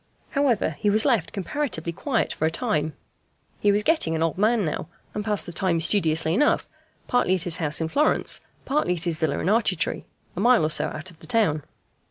However, he was left comparatively quiet for a time. He was getting an old man now, and passed the time studiously enough, partly at his house in Florence, partly at his villa in Arcetri, a mile or so out of the town.